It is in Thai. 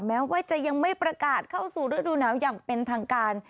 แม้ว่าจะยังไม่ประกาศเข้าสู่ฤดูหนาวอย่างเป็นทางการ